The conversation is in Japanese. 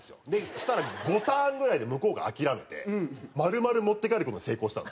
そしたら５ターンぐらいで向こうが諦めて丸々持って帰る事に成功したんですね。